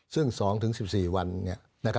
ซึ่ง๒๑๔วันเนี่ย